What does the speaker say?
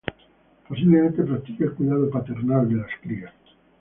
Posiblemente practique el cuidado paternal de las crías.